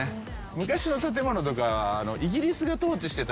昔の建物とか。